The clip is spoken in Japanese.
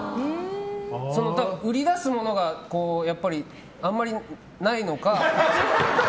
売り出すものがやっぱり、あんまりないのか。